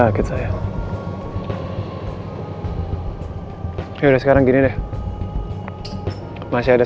mereka akan memberikan berita update nya itu paling cepat besok pak